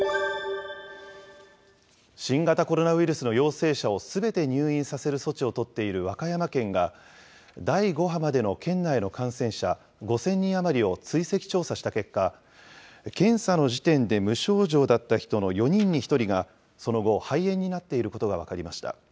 新型コロナウイルスの陽性者をすべて入院させる措置を取っている和歌山県が、第５波までの県外の感染者５０００人余りを追跡調査した結果、検査の時点で無症状だった人の４人に１人が、その後、肺炎になっていることが分かりました。